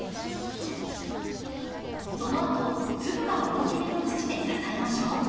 そのあと粒が大きめの土で支えましょう。